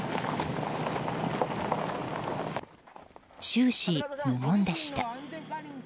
終始無言でした。